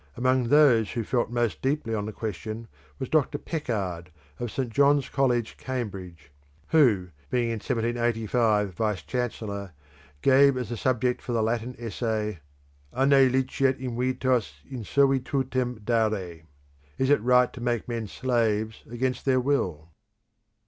Among those who felt most deeply on the question was Dr. Peckard, of St. John's College, Cambridge, who, being in 1785 Vice Chancellor, gave as a subject for the Latin essay, "Anne liceat invitos in servitutem dare?" [Is it right to make men slaves against their will?